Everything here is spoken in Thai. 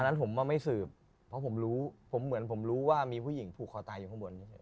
อันนั้นผมไม่สืบเพราะเหมือนผมรู้ว่ามีผู้หญิงผูกคอตายอยู่ข้างบน